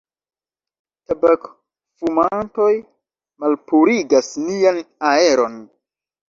Tabak-fumantoj malpurigas nian aeron.